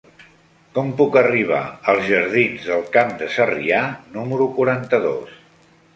Com puc arribar als jardins del Camp de Sarrià número quaranta-dos?